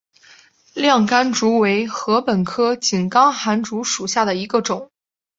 亮竿竹为禾本科井冈寒竹属下的一个种。